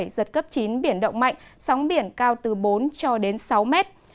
giật cấp chín biển động mạnh sóng biển cao từ bốn cho đến sáu mét